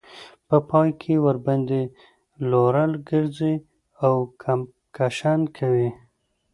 په پای کې ورباندې رولر ګرځي او کمپکشن کوي